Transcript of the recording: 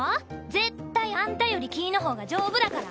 絶対あんたより木の方が丈夫だから。